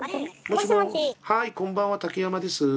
はいこんばんは竹山です。